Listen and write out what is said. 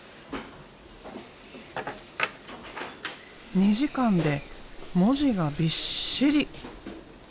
２時間で文字がびっしり。